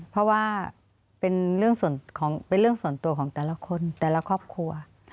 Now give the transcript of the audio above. เพราะว่าเป็นเรื่องส่วนตัวของแต่ละคนแต่ละครอบครัว